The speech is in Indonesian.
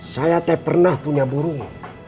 saya tak pernah punya burung